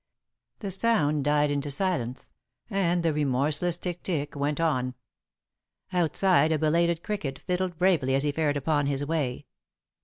The sound died into silence and the remorseless tick tick went on. Outside a belated cricket fiddled bravely as he fared upon his way.